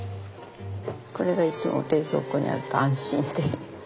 これがいつも冷蔵庫にあると安心っていう。